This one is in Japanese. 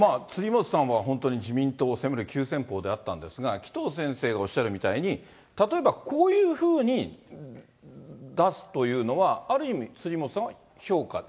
辻元さんは本当に自民党を責める急先ぽうであったんですが、紀藤先生がおっしゃるみたいに、例えば、こういうふうに出すというのは、ある意味、そうですね。